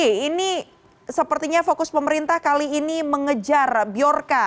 oke ini sepertinya fokus pemerintah kali ini mengejar bjorka